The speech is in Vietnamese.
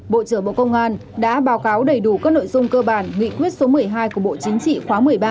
bộ trưởng bộ công an đã báo cáo đầy đủ các nội dung cơ bản nghị quyết số một mươi hai của bộ chính trị khóa một mươi ba